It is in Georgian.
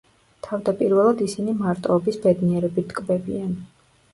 თავდაპირველად ისინი მარტოობის ბედნიერებით ტკბებიან.